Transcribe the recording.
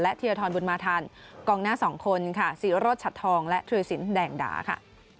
และธิริษฐรบุญมาธรรมกองหน้า๒คนค่ะศรีโรศฉัดทองและธุรศิลป์แด่งดาค่ะ